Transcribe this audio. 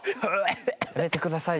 やめてください。